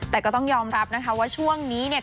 แต่ก็ต้องยอมรับนะคะว่าช่วงนี้เนี่ย